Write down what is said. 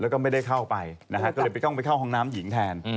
แล้วก็ไม่ได้เข้าไปนะฮะเราก็ไปเข้ากินห้องน้ำหิวแทน